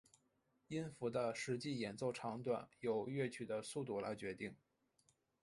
音符的实际演奏长短由乐曲的速度来决定。